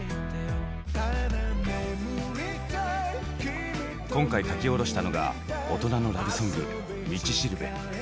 今回書き下ろしたのが大人のラブソング「道導」。